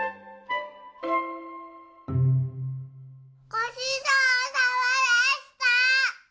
ごちそうさまでした！